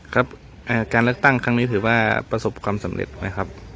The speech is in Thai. ครับการเลือกตั้งครั้งนี้ถือว่าประสบความสำเร็จนะครับ